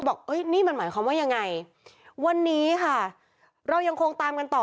นี่มันหมายความว่ายังไงวันนี้ค่ะเรายังคงตามกันต่อ